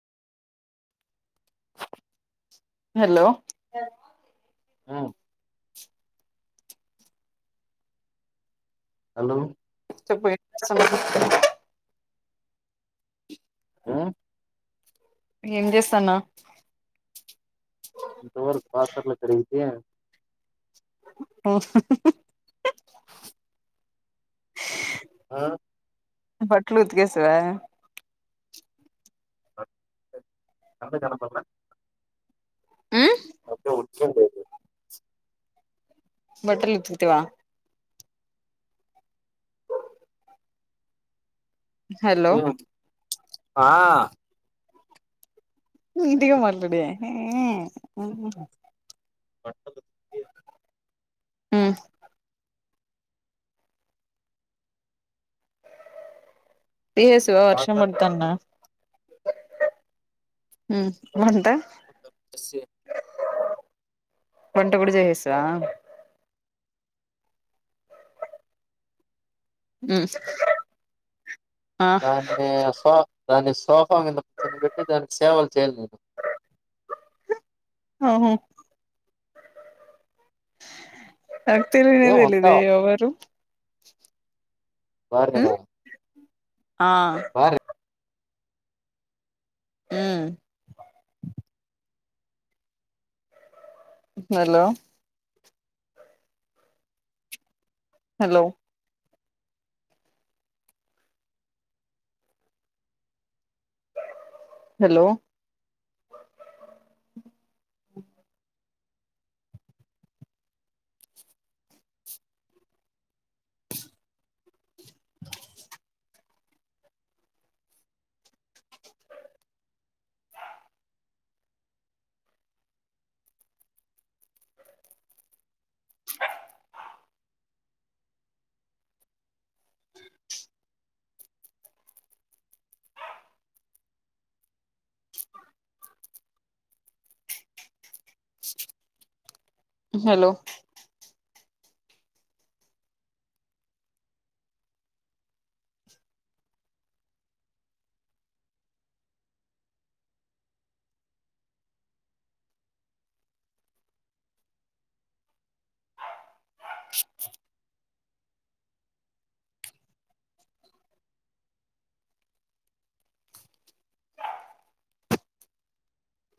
hello ఆమ్ hello చెప్పు ఎక్కడ ఉన్నావు నువ్వు హుమ్ ఏం జేస్తాన్నావ్ ఇంతవరకు పాత్రలు కడిగితే ఒ అ బట్టలు ఉతికేశావ కంత కన పాపడ ఉమ్ అప్పుడే వచ్చి ఉండేది బట్టలు ఉతికితివా హాలో ఆ నీట్ గా మాట్లాడు ఎ ఏ ఎ బట్టలు ఉతికేసి హుమ్ పియేసు వర్షం పాత్రలు కడిగి, పడుతాన్నా హుమ్ వంట మొత్తం చేసి, వంట కూడా చేసేశావా హుమ్ దాన్ని సో దాన్ని సోఫా మింద కూర్చోబెట్టి దానికి సేవలు చెయ్యాలి నేను ఓహో నాకు తెలియనే ఏమంతా తెలియదే ఎవరు బార్క ఉమ్ నా ఆ హుమ్ హాలో హాలో హాలో హాలో